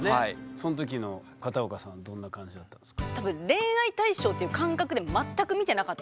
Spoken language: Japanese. その時の片岡さんはどんな感じだったんですか？